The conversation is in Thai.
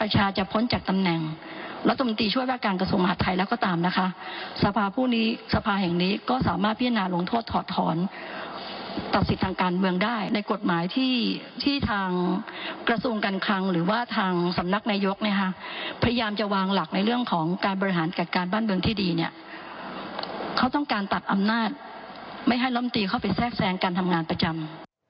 ตัดอำนาจไม่ให้ล้ำตีเข้าไปแทรกแสงการทำงานประจำ